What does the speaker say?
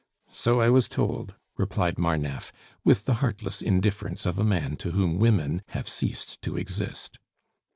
"So I was told," replied Marneffe, with the heartless indifference of a man to whom women have ceased to exist.